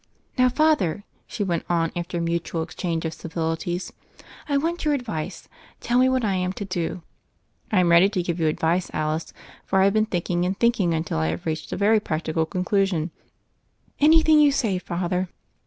"Now, Father," she went on, after a mutual change of civilities, "I want your advice: tell me what I am to do." "I'm ready to give you advice, Alice, for I have been thinking and thinking until I have reached a very practical conclusion." "Anything you say, Father."